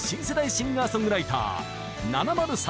シンガーソングライター７０３